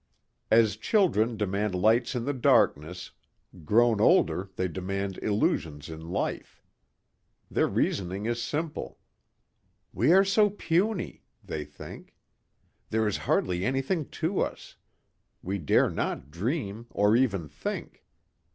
As children demand lights in the darkness, grown older they demand illusions in life. Their reasoning is simple. "We are so puny," they think. "There is hardly anything to us. We dare not dream or even think.